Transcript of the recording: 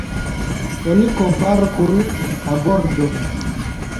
Oni komparu kun agordo.